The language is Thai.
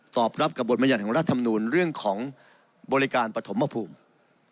ตอบรับกับบทบรรยัติของรัฐธรรมนูลเรื่องของบริการปฐมภูมิ